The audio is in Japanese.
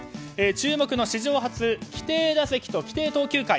注目の史上初の規定打席と規定投球回